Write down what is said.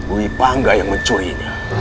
wih pangga yang mencurinya